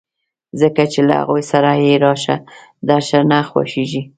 ځکه چې له هغوی سره یې راشه درشه نه خوښېږي